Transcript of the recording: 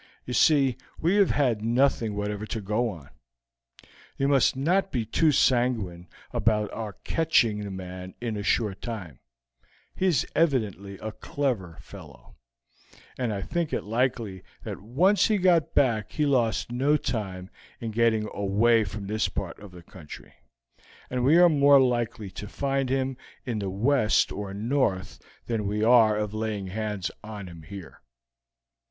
You see, we have had nothing whatever to go on. You must not be too sanguine about our catching the man in a short time: he is evidently a clever fellow, and I think it likely that once he got back he lost no time in getting away from this part of the country, and we are more likely to find him in the west or north than we are of laying hands on him here.